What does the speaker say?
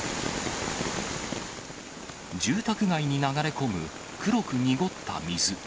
住宅街に流れ込む黒く濁った水。